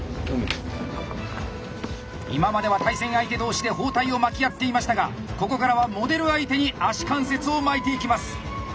今までは対戦相手同士で包帯を巻き合っていましたがここからはモデル相手に足関節を巻いていきます。